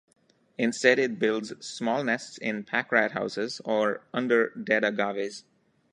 Instead, it builds small nests in pack rat houses or under dead agaves.